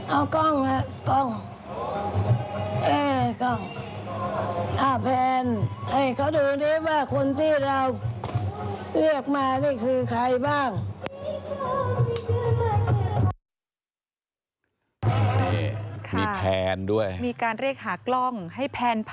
เอากล้องไว้